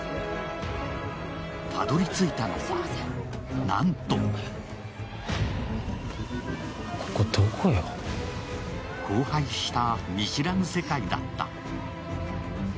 たどり着いたのは、なんと荒廃した見知らぬ世界だった。